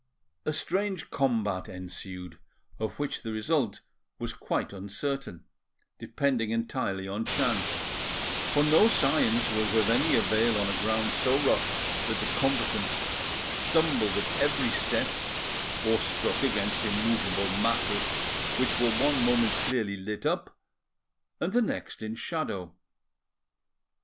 A strange combat ensued, of which the result was quite uncertain, depending entirely on chance; for no science was of any avail on a ground so rough that the combatants stumbled at every step, or struck against immovable masses, which were one moment clearly lit up, and the next in shadow.